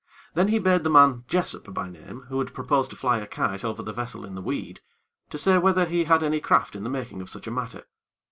Then he bade the man, Jessop by name, who had proposed to fly a kite over the vessel in the weed, to say whether he had any craft in the making of such a matter.